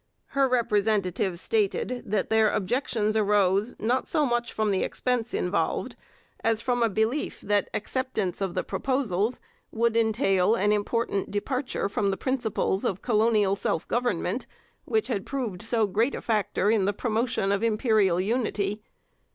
Her representatives stated that their objections arose, not so much from the expense involved, as from a belief that acceptance of the proposals would entail an important departure from the principles of colonial self government, which had proved so great a factor in the promotion of imperial unity.